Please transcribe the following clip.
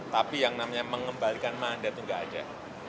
tapi yang namanya mengembalikan mandat itu nggak ada